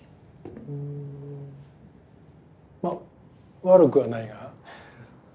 まあ悪くはないが。